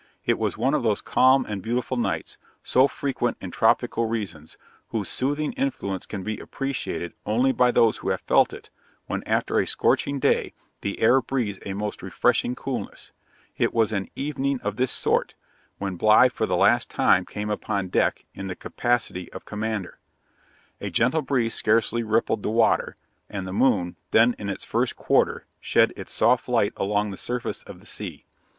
It was one of those calm and beautiful nights, so frequent in tropical regions, whose soothing influence can be appreciated only by those who have felt it, when, after a scorching day, the air breathes a most refreshing coolness, it was an evening of this sort, when Bligh for the last time came upon deck, in the capacity of commander; a gentle breeze scarcely rippled the water, and the moon, then in its first quarter, shed its soft light along the surface of the sea.